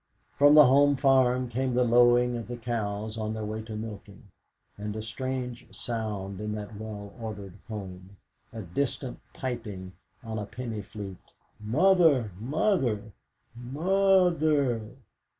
From the home farm came the lowing of the cows on their way to milking, and, strange sound in that well ordered home, a distant piping on a penny flute .... "Mother, Mother, Mo o ther!"